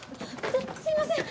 すいません！